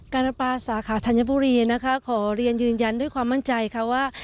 การประปาสาขาธัญบุรีนะคะขอเรียนยืนยันด้วยความมั่นใจค่ะว่า